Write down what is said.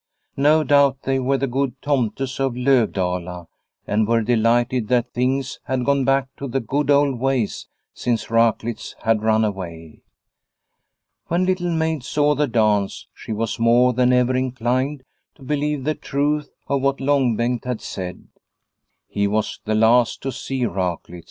No doubt they were the good tomtes of Lovdala, and were delighted that things had gone back to the good old ways since Raklitz had run away. When Little Maid saw the dance she was more than ever inclined to believe the truth of what Long Bengt had said. He was the last to see Raklitz.